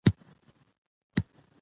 افغانستان د دریابونه لپاره مشهور دی.